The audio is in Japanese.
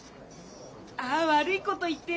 あ悪いこと言ってる。